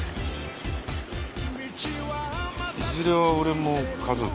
いずれは俺も家族かな？